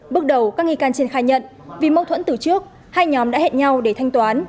bước đầu các nghi can trên khai nhận vì mâu thuẫn từ trước hai nhóm đã hẹn nhau để thanh toán